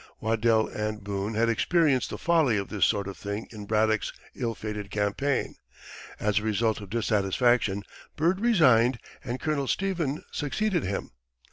Waddell and Boone had experienced the folly of this sort of thing in Braddock's ill fated campaign. As a result of dissatisfaction, Byrd resigned, and Colonel Stephen succeeded him.